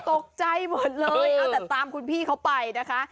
ตกใจหมดเลยเอาแต่ตามคุณพี่เขาไปนะคะ